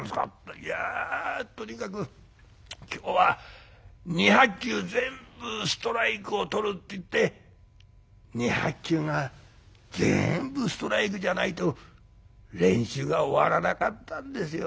「いやとにかく今日は２００球全部ストライクをとるって言って２００球が全部ストライクじゃないと練習が終わらなかったんですよ。